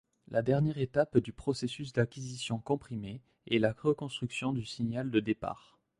La dernière étape du processus d’acquisition comprimée est la reconstruction du signal de départ.